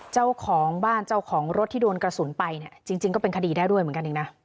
เจ้าของบ้านเจ้าของรถที่โดนกระสุนไปเนี่ยจริงก็เป็นคดีได้ด้วยเหมือนกันเองนะ